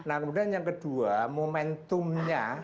nah kemudian yang kedua momentumnya